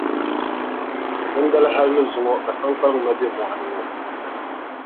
Dindali hali ni zuŋɔ ka Saŋkpaliŋ na be mɔɣu ni ŋɔ.